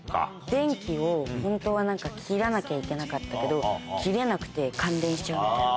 電気を本当はなんか、切らなきゃいけなかったけど、切れなくて感電しちゃったみたいな。